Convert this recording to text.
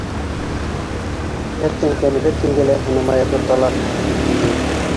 Бер тәңкәне бер тингә лә һанамай ырғыталар, — тип һөйләй.